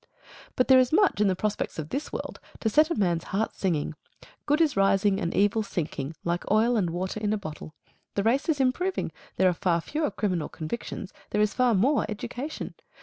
But there is much in the prospects of this world to set a man's heart singing. Good is rising and evil sinking like oil and water in a bottle. The race is improving. There are far fewer criminal convictions. There is far more education.